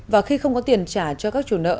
và khi không có tiền trả cho các chủ nợ